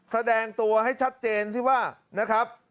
แสดงตัวให้ชัดเจนที่ว่า